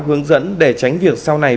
hướng dẫn để tránh việc sau này